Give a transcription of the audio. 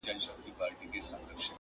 زما د نیکه ستا د ابا دا نازولی وطن،